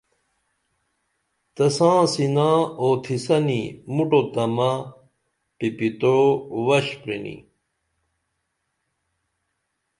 تاں سِنا اوتھیسنی مُٹوتمہ پِیپتعوع وش پرینی